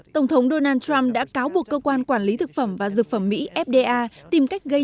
tổng thống donald trump đã cáo buộc cơ quan quản lý thực phẩm và dược phẩm mỹ fda tìm cách gây